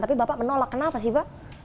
tapi bapak menolak kenapa sih pak